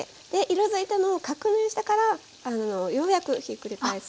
色づいたのを確認してからようやくひっくり返す。